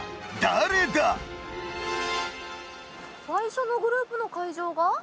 最初のグループの会場が。